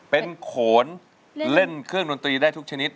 เป็นโขนเล่นเครื่องดนตรีได้ทุกชนิด